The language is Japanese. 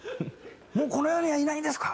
「もうこの世にはいないんですか？」。